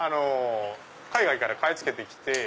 海外から買い付けて来て。